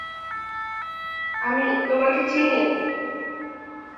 আমি তোমাকে চিনি!